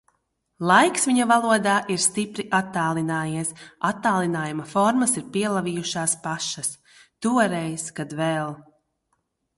Laiks viņa valodā ir stipri attālinājies, attālinājuma formas ir pielavījušās pašas. Toreiz, kad vēl...